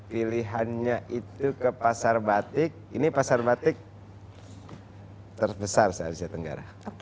pilihannya itu ke pasar batik ini pasar batik terbesar se asia tenggara